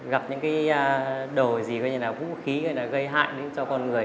gặp những cái đồ gì gọi là vũ khí gọi là gây hại đến cho con người